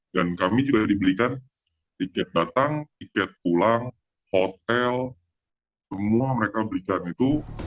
dan kami juga di belikan tiket datang tiket pulang hotel semua mereka belikan itu